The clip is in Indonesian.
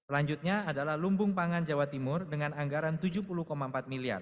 lanjutnya adalah lumbung pangan jawa timur dengan anggaran rp tujuh puluh empat miliar